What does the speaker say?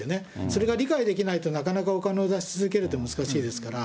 それが理解できないと、なかなかお金を出し続けるというのは難しいですから。